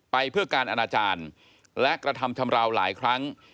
ไปเพื่อการอนาจารย์และกระทำชำราวหลายครั้ง